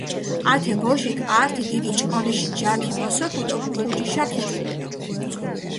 ათე ბოშიქ ართი დიდი ჭყონიში ჯათი მოსოფუ დო ხუჯიშა ქიკილედუ.